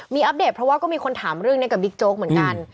มีอัปเดตเพราะว่าก็มีคนถามเรื่องนี้กับบิ๊กโจ๊กเหมือนกัน